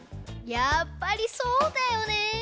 やっぱりそうだよね。